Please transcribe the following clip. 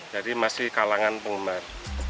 jadi masih kalangan penggemar